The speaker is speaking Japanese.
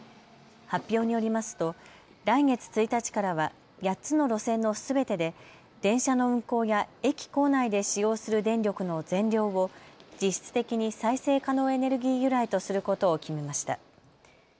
発表によりますと来月１日からは８つの路線のすべてで電車の運行や駅構内で使用する電力の全量を実質的に再生可能エネルギー由来とすることを決めました。